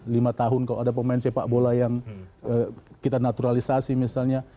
lima tahun kalau ada pemain sepak bola yang kita naturalisasi misalnya